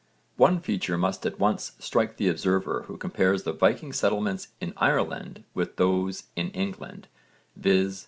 One feature must at once strike the observer who compares the Viking settlements in Ireland with those in England, viz.